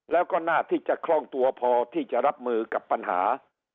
แล้วก็น่าที่จะคล่องตัวพอที่จะรับมือกับปัญหา